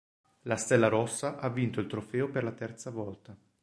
La Stella Rossa ha vinto il trofeo per la terza volta.